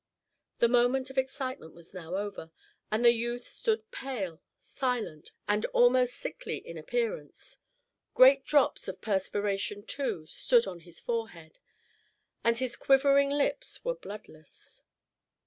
The moment of excitement was now over, and the youth stood pale, silent, and almost sickly in appearance; great drops of perspiration, too, stood on his forehead, and his quivering lips were bloodless.